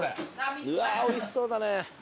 うわぁ美味しそうだね。